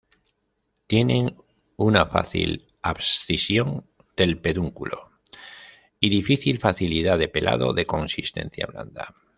Tienen una fácil abscisión del pedúnculo y difícil facilidad de pelado, de consistencia blanda.